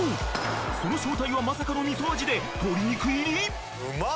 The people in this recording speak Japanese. その正体はまさかの味噌味で鶏肉入り！？